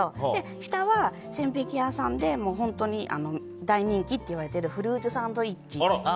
下は、千疋屋さんで本当に大人気といわれているフルーツサンドイッチ。